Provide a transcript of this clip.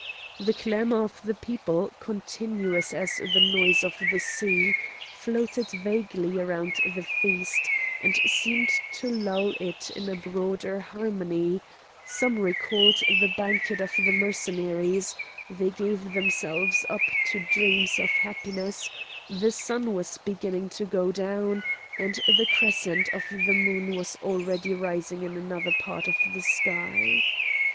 The clamour of the people, continuous as the noise of the sea, floated vaguely around the feast, and seemed to lull it in a broader harmony; some recalled the banquet of the Mercenaries; they gave themselves up to dreams of happiness; the sun was beginning to go down, and the crescent of the moon was already rising in another part of the sky.